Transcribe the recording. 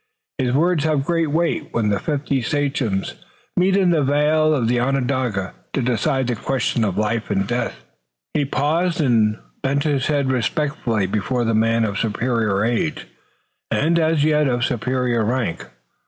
His words have great weight when the fifty sachems meet in the vale of Onondaga to decide the questions of life and death." He paused and bent his head respectfully before the man of superior age, and, as yet, of superior rank.